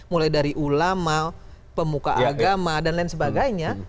mulai dari ulama pemuka agama dan lain sebagainya